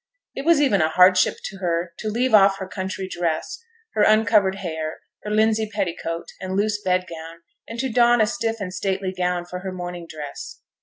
It was even a hardship to her to leave off her country dress, her uncovered hair, her linsey petticoat, and loose bed gown, and to don a stiff and stately gown for her morning dress.